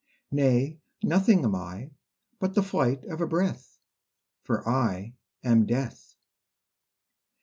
Nay; nothing am I, But the flight of a breath For I am Death!